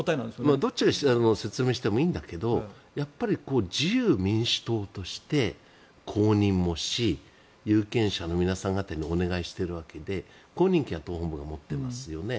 どっちが説明してもいいんだけどやっぱり自由民主党として公認もし有権者の皆さん方にお願いしているわけで公認権は党本部が持っていますよね。